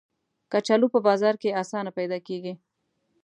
کچالو په بازار کې آسانه پیدا کېږي